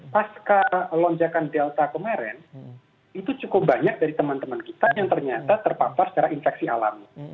pasca lonjakan delta kemarin itu cukup banyak dari teman teman kita yang ternyata terpapar secara infeksi alami